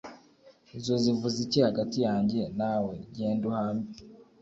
izo zivuze iki hagati yanjye nawe genda uhambe